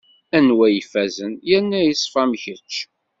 Anwa i yefazen yerna yeṣfa am kečč?